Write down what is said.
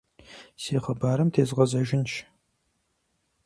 Си хъыбарым тезгъэзэжынщ.